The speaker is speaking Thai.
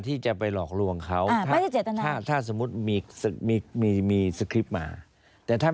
ไม่ได้เจตนาเท่ากับหลุดหมดถูกไหมอาจารย์